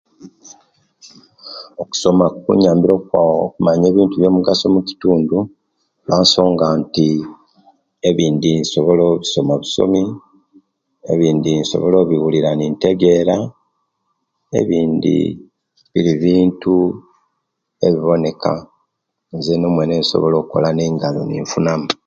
Okusoma kunyambire okumanya ebintu byomugaso mukitundu lwansonga nti ebindi nsobola somabusomi ebindi nsobola obiwurira nintegera ebindi biri bintu byambonaku nintegera zeena mwene byensobola kola nengalo ninfunamu